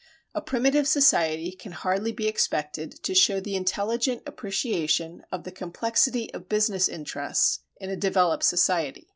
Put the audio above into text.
A primitive society can hardly be expected to show the intelligent appreciation of the complexity of business interests in a developed society.